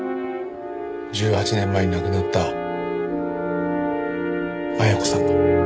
１８年前に亡くなった恵子さんが。